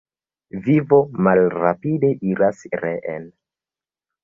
Vivo malrapide iras reen.